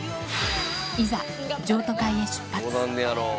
いざ、譲渡会へ出発。